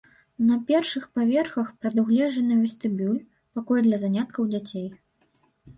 На першых паверхах прадугледжаны вестыбюль, пакой для заняткаў дзяцей.